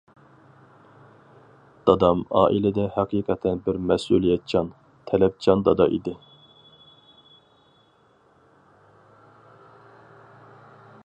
دادام ئائىلىدە ھەقىقەتەن بىر مەسئۇلىيەتچان، تەلەپچان دادا ئىدى.